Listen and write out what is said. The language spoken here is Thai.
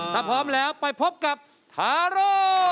ถ้าพร้อมแล้วไปพบกับทาโร่